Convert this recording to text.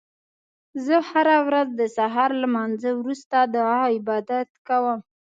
زه هره ورځ د سهار لمانځه وروسته دعا او عبادت کوم